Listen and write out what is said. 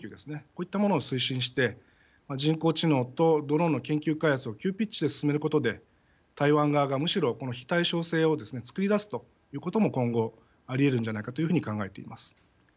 こういったものを推進して人工知能とドローンの研究開発を急ピッチで進めることで台湾側が、むしろこの非対称戦をつくりだすということも今後、ありえるんじゃないかというふうに考えております。